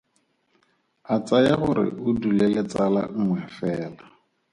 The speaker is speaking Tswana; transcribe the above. A tsaya gore o dule le tsala nngwe fela.